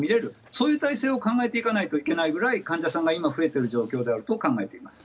そういう体制を考えていかないといけないぐらい患者さんが今増えている状況だと考えています。